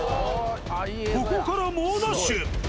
ここから猛ダッシュ。